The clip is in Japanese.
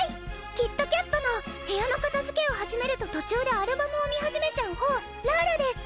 キッドキャットの部屋の片づけを始めると途中でアルバムを見始めちゃうほうラーラです！